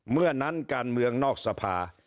เมื่อนั้นการเมืองนอกสภา